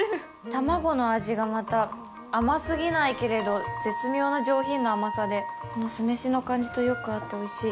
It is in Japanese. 卵の味がまた、甘すぎないけれど絶妙な上品な甘さで酢飯の感じとよく合っておいしい。